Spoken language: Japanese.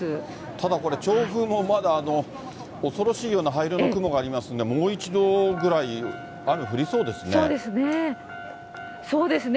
ただこれ、調布もまだ恐ろしいような灰色の雲がありますんで、もう一度ぐらそうですね。